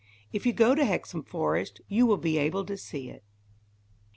If you go to Hexham Forest, you will be able to see it.